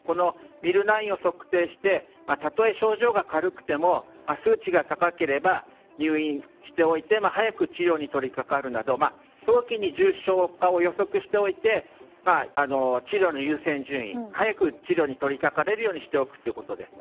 ミルナインを測定してたとえ症状が軽くても数値が高ければ入院しておいて早く治療に取りかかるなど早期に重症化を予測しておいて治療の優先順位早く治療に取り掛かれるようにしておくということです。